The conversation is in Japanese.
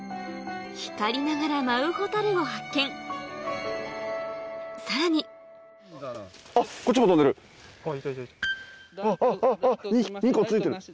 光りながら舞うホタルを発見さらにあっあっあっ！